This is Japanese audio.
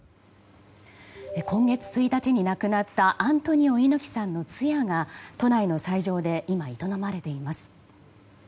今月１日に亡くなったアントニオ猪木さんの通夜が都内の斎場で今、営まれています。